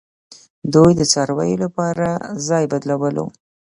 دوی د څارویو لپاره ځای بدلولو